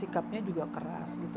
sikapnya juga keras gitu